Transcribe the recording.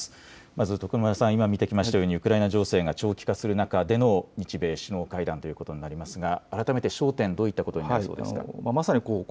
まず徳丸さん、今見ていきましたようにウクライナ情勢が長期化する中での日米首脳会談ということになりますが改めて焦点、どういったところにありそうですか。